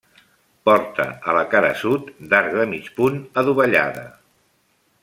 Porta a la cara sud, d'arc de mig punt adovellada.